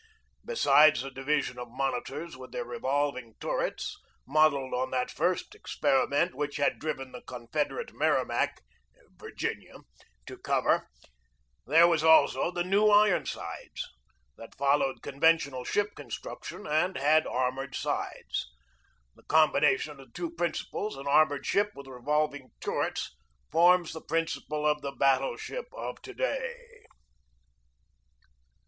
Besides the division of monitors with their revolving turrets modelled on that first experiment which had driven the Con federate Merrimac (Virginia) to cover there was also the New Ironsides, that followed conventional ii6 GEORGE DEWEY ship construction and had armored sides. The com bination of the two principles, an armored ship with revolving turrets, forms the principle of the battle ship of to day.